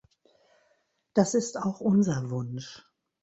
Das ist auch unser Wunsch.